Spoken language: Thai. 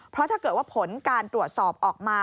เพราะถ้าเกิดว่าผลการตรวจสอบออกมา